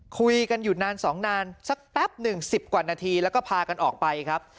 คุยกันอยู่นานสองนานสักแป๊บหนึ่ง๑๐กว่านาทีแล้วก็พากันออกไปครับ